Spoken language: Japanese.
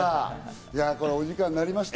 お時間になりました。